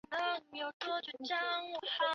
香青兰为唇形科青兰属下的一个种。